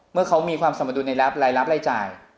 เมื่อเขามีความสมดุลในรับรายรับรายจ่าย